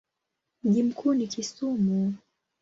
Mji mkuu ni Kisumu.